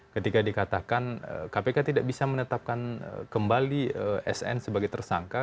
ketika dikatakan kpk tidak bisa menetapkan kembali sn sebagai tersangka